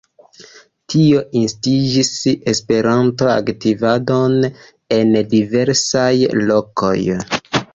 Tio instigis Esperanto-aktivadon en diversaj lokoj.